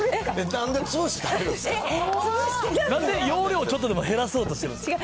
なんで容量、ちょっとでも減らそうとしてるんですか。